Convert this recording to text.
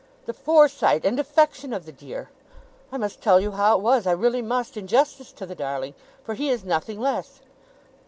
The foresight and affection of the dear! I must tell you how it was. I really must, in justice to the darling for he is nothing less!